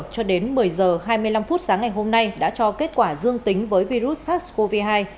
cho đến một mươi h hai mươi năm phút sáng ngày hôm nay đã cho kết quả dương tính với virus sars cov hai